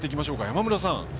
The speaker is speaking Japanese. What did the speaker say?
山村さん。